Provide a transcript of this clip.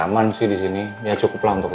terima kasih banyak varieties shimmy